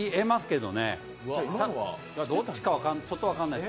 どっちかちょっと分からないです。